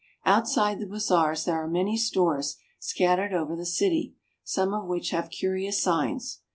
Outside the bazaars there are many stores scattered over the city, some of which have curious signs.